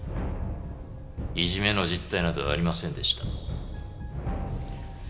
いじめの実態などありませんでした。